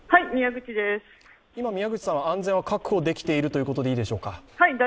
今、宮口さんは安全は確保できているということでいいでしょうか。